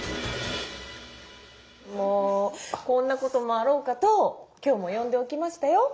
もうこんなこともあろうかと今日も呼んでおきましたよ。